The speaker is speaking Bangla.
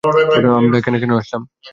আমরা এখানে কেন আসলাম?